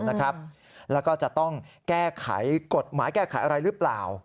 แล้วก็จะต้องแก้ไขกฎหมายแก้ไขอะไรหรือเปล่า